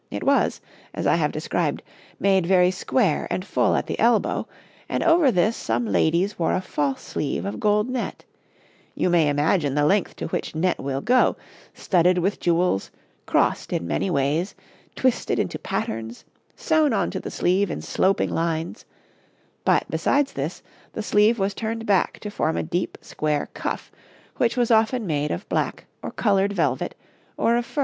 It was, as I have described, made very square and full at the elbow, and over this some ladies wore a false sleeve of gold net you may imagine the length to which net will go, studied with jewels, crossed in many ways, twisted into patterns, sewn on to the sleeve in sloping lines but, besides this, the sleeve was turned back to form a deep square cuff which was often made of black or coloured velvet, or of fur.